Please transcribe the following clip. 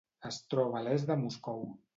Es troba a l'est de Moscou.